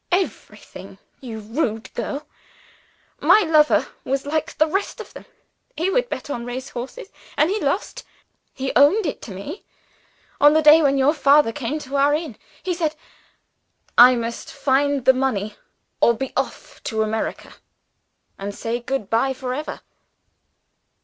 "Everything, you rude girl! My lover was like the rest of them; he would bet on race horses, and he lost. He owned it to me, on the day when your father came to our inn. He said, 'I must find the money or be off to America, and say good by forever.